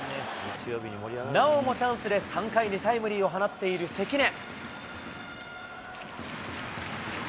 なおもチャンスで３回にタイムリーを放っている関根。